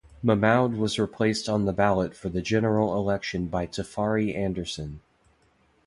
Mahmoud was replaced on the ballot for the general election by Tafari Anderson.